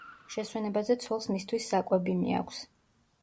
შესვენებაზე ცოლს მისთვის საკვები მიაქვს.